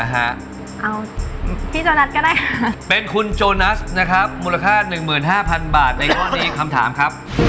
เอาพี่โจนัสก็ได้ฮะเป็นคุณโจนัสนะครับมูลค่าหนึ่งหมื่นห้าพันบาทในกรอดทีคำถามครับ